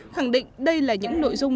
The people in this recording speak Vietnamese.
khẳng định đây là những nội dung